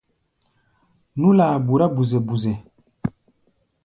Nú-laa burá buzɛ-buzɛ.